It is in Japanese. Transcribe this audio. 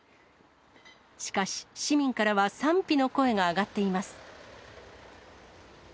しかし、市民からは賛否の声が上がっています。